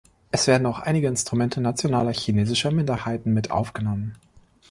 Es werden auch einige Instrumente nationaler chinesischer Minderheiten mit aufgenommen.